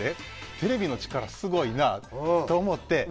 テレビの力すごいなと思って。